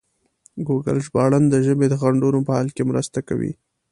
ګوګل ژباړن د ژبې د خنډونو په حل کې مرسته کوي.